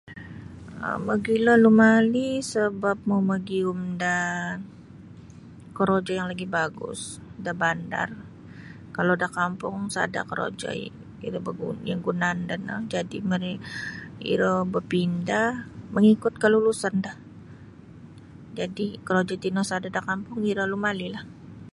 um Mogilo lumali sebap mau magiyum da korojo yang lagi' bagus da bandar kalau da kampung sada' korojoi iro bagun yang gunaan do no jadi' mere iro bapindah mangikut kalulusan do jadi' korojo tino sada' da kampung iro lumalilah.